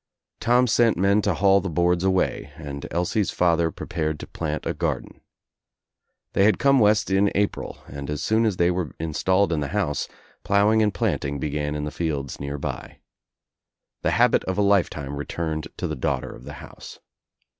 Tom sent men to haul the boards away and Elsie's father prepared to plant a garden. They had come west In April and as soon as they were installed in the house ploughing and planting began in the fields nearby. The habit of a lifetime returned to the daughter of the house.